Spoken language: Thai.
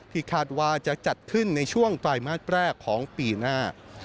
คาดว่าจะจัดขึ้นในช่วงไตรมาสแรกของปีหน้า